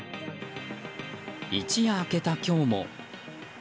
一夜明けた今日も。